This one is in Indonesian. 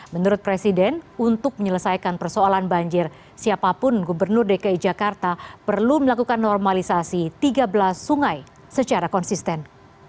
menurut presiden untuk menyelesaikan persoalan banjir siapapun gubernur dki jakarta perlu melakukan normalisasi tiga belas sungai secara konsisten